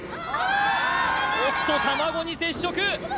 おっと卵に接触！